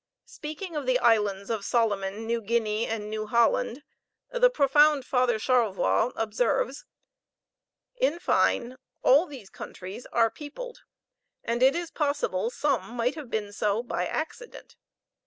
Speaking of the islands of Solomon, New Guinea, and New Holland, the profound father Charlevoix observes: "In fine, all these countries are peopled, and it is possible some have been so by accident.